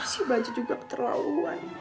si baju juga keterlaluan